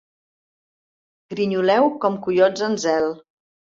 Grinyoleu com coiots en zel.